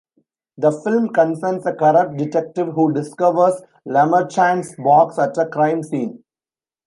The film concerns a corrupt detective who discovers Lemarchand's box at a crime scene.